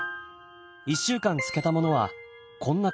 １週間漬けたものはこんな感じです。